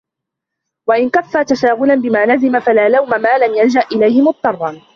وَإِنْ كَفَّ تَشَاغُلًا بِمَا لَزِمَ فَلَا لَوْمَ مَا لَمْ يَلْجَأْ إلَيْهِ مُضْطَرٌّ